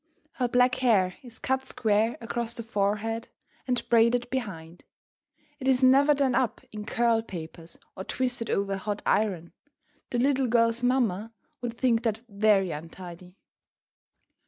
Her black hair is cut square across the forehead and braided behind. It is never done up in curl papers or twisted over a hot iron; the little girl's mamma would think that very untidy.